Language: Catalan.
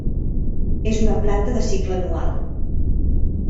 És una planta de cicle anual.